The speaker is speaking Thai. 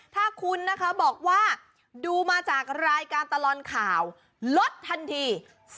ถ้าคุณนะคะบอกว่าดูมาจากรายการตลอดข่าวลดทันที